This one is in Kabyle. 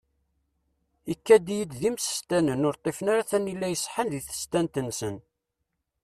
Ikad-iyi-d imsestanen ur ṭṭifen ara tanila iṣeḥḥan di tsestant-nsen.